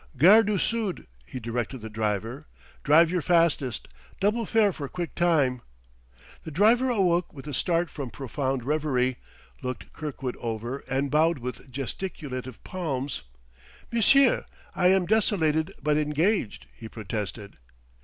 "Gare du Sud," he directed the driver. "Drive your fastest double fare for quick time!" The driver awoke with a start from profound reverie, looked Kirkwood over, and bowed with gesticulative palms. "M'sieu', I am desolated, but engaged!" he protested.